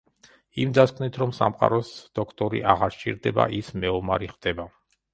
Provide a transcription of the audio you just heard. იმ დასკვნით, რომ სამყაროს დოქტორი აღარ სჭირდება, ის მეომარი ხდება.